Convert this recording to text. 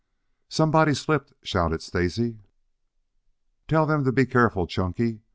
"Somebody slipped," shouted Stacy. "Tell them to be careful, Chunky.